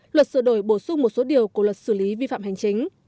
luật sửa đổi bổ sung một số điều của luật xử lý vi phạm hành chính